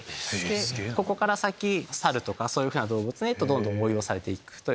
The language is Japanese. ここから先猿とかそういうふうな動物へとどんどん応用されていく。